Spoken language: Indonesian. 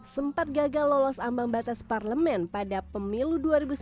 sempat gagal lolos ambang batas parlemen pada pemilu dua ribu sembilan belas